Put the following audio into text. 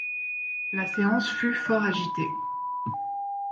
La séance fut fort agitée.